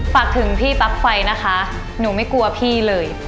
ฝากถึงพี่ปลั๊กไฟนะคะหนูไม่กลัวพี่เลย